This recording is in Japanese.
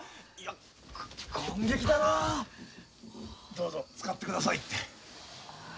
どうぞ使って下さいって。